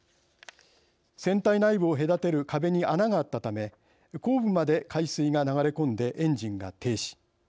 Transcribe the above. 船体内部を隔てる壁に穴があったため後部まで海水が流れ込んでエンジンが停止。